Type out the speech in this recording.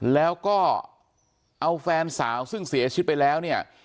แล้วก็เอาแฟนสาวซึ่งเสียชีวิตไปแล้วเนี่ย